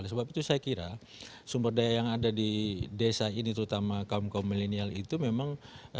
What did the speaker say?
oleh sebab itu saya kira sumber daya yang ada di desa ini terutama kaum kaum milenial itu memang